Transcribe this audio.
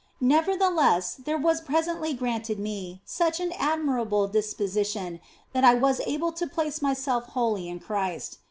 Nevertheless there was presently granted me such an admirable disposition that I was able to place myself wholly in Christ.